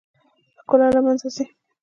ښکلا له منځه ځي .